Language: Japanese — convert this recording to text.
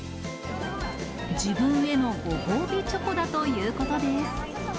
自分へのご褒美チョコだということです。